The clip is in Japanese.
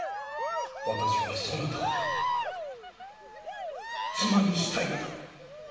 私はそなたを妻にしたいのだ。